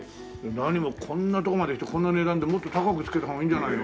何もこんなとこまで来てこんな値段でもっと高くつけた方がいいんじゃないの？